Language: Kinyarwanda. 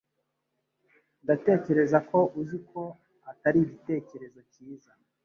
Ndatekereza ko uzi ko atari igitekerezo cyiza